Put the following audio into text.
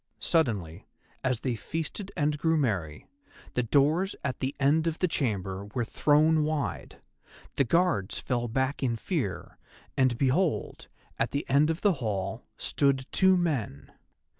Suddenly, as they feasted and grew merry, the doors at the end of the chamber were thrown wide, the Guards fell back in fear, and behold, at the end of the hall, stood two men.